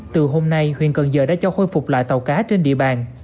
từ hôm nay huyện cần giờ đã cho khôi phục lại tàu cá trên địa bàn